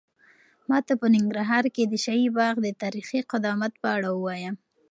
ماته په ننګرهار کې د شاهي باغ د تاریخي قدامت په اړه ووایه.